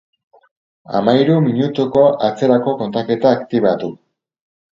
Hamahiru minutuko atzerako kontaketa aktibatu